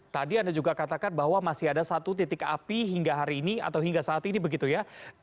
tadi anda juga katakan bahwa masih ada satu titik api hingga hari ini atau hingga saat ini begitu ya